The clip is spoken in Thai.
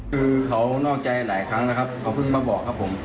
คือเขานอกใจหลายครั้งนะครับเขาเพิ่งมาบอกครับผม